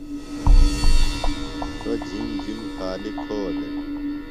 سوۡ جِھم جِھم خالیۡ کھو دےۡ۔ ۔